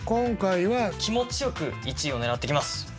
気持ちよく１位を狙っていきます！